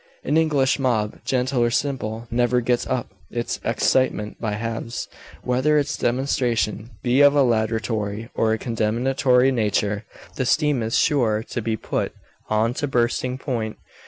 An English mob, gentle or simple, never gets up its excitement by halves. Whether its demonstration be of a laudatory or a condemnatory nature, the steam is sure to be put on to bursting point.